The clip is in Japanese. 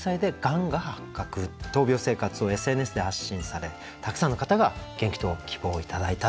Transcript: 闘病生活をＳＮＳで発信されたくさんの方が元気と希望を頂いたと。